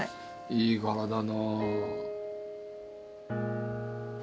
いい柄だな。